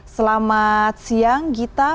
selamat siang gita